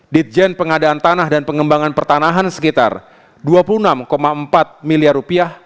ditjen pengadaan tanah dan pengembangan pertanahan sekitar dua puluh enam empat miliar rupiah